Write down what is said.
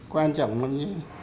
quan trọng lắm nhé